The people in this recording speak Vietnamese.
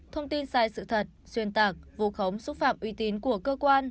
thông tin sai sự thật xuyên tạc vù khống xúc phạm uy tín của cơ quan